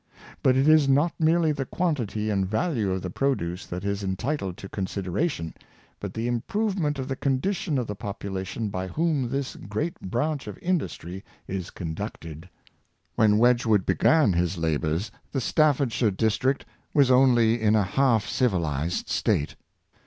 But it is not merely the quantity and value of the produce that is entitled to consideration, but the improvement of the condition of the population by whom this great branch of indus try is conducted. When Wedgwood began his labors the Stafford shire district was only in a half civilized state.